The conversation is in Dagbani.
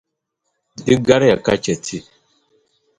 Di kariya ka chɛ ti.